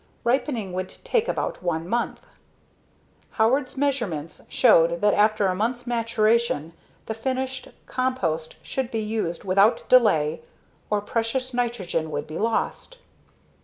Ripening would take about one month. Howard's measurements showed that after a month's maturation the finished compost should be used without delay or precious nitrogen would be lost.